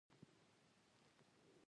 بازار د تګلارې شتون ته اړتیا لري.